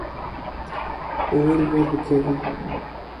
Ew ê li ber bikevin.